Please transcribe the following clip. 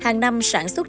hàng năm sản xuất